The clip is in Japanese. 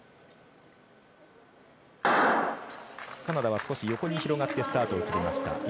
カナダは少し横に広がってスタートを切りました。